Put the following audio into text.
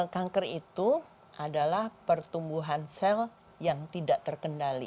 kanker itu adalah pertumbuhan sel yang tidak terkendali